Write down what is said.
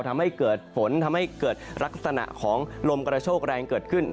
ทำให้เกิดฝนทำให้เกิดลักษณะของลมกระโชคแรงเกิดขึ้น